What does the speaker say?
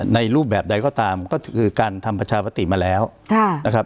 รูปแบบใดก็ตามก็คือการทำประชาปฏิมาแล้วนะครับ